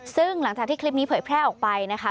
ซึ่งหลังจากที่คลิปนี้เผยแพร่ออกไปนะคะ